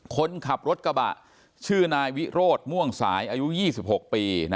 คนขับรถกระบะชื่อนายวิโรธม่วงสายอายุ๒๖ปี